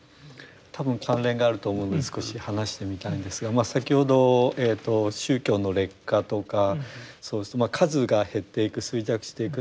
多分関連があると思うので少し話してみたいんですが先ほどえと宗教の劣化とかそうするとまあ数が減っていく衰弱していく。